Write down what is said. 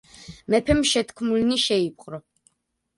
მეფემ შეთქმულნი შეიპყრო.